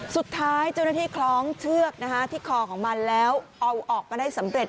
สุดท้ายเจ้าหน้าที่คล้องเชือกที่คอของมันแล้วเอาออกมาได้สำเร็จ